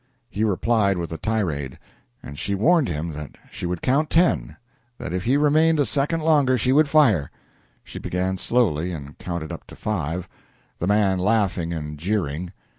He replied with a tirade, and she warned him that she would count ten that if he remained a second longer she would fire. She began slowly and counted up to five, the man laughing and jeering.